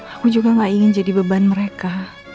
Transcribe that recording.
aku juga gak ingin jadi beban mereka